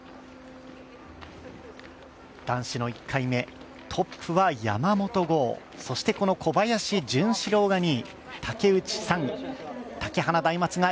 男子の１回目、トップは山元豪そしてこの小林潤志郎が２位。